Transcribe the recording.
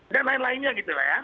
dan lain lainnya gitu ya